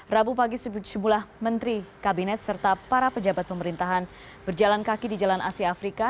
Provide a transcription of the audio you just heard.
rabu pagi sejumlah menteri kabinet serta para pejabat pemerintahan berjalan kaki di jalan asia afrika